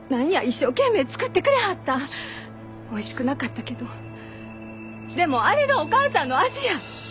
おいしくなかったけどでもあれがお母さんの味や。